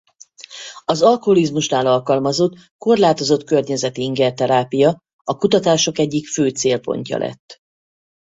Az alkoholizmusnál alkalmazott korlátozott környezeti inger terápia a kutatások egyik fő célpontja lett.